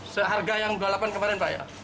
seharga yang rp dua puluh delapan kemarin pak ya